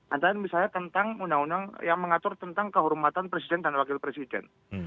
antara misalnya tentang undang undang yang mengatur tentang kehormatan presiden dan wakil presiden